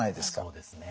そうですね。